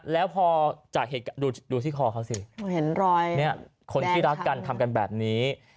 แล้วพอจากเหตุการณ์ดูที่คอเขาสิเห็นรอยเนี่ยคนที่รักกันทำกันแบบนี้